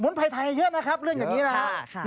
สมมุติไพรไทยเยอะนะครับเรื่องอย่างนี้นะฮะ